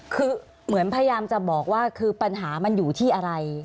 คือเหมือนพยายามจะบอกว่าคือปัญหามันอยู่ที่อะไร